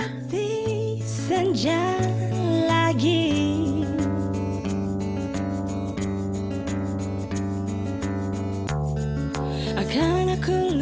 kita sama dia